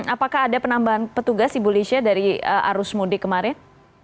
apakah ada penambahan petugas ibu lisha dari arus mudik kemarin